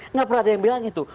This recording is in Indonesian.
nggak pernah ada yang bilang itu